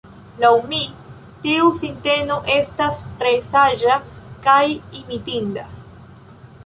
Laŭ mi, tiu sinteno estas tre saĝa kaj imitinda.